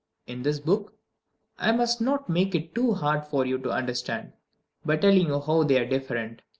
In this book I must not make it too hard for you to understand, by telling you how they are different.